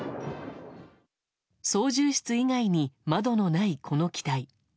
操縦室以外に窓のないこの機体。